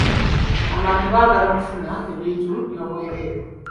Abantu baagala okufuna ebintu by'obwereere.